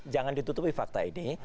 jangan ditutupi fakta ini